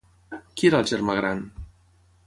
Qui era el germà gran?